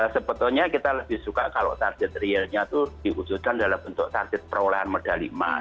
sebetulnya kita lebih suka kalau target realnya itu diwujudkan dalam bentuk target perolehan medali emas